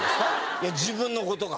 いや自分の事が。